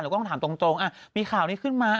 ก็ต้องถามตรงมีข่าวนี้ขึ้นมา